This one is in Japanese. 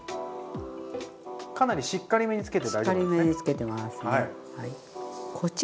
かなりしっかりめにつけて大丈夫ですか？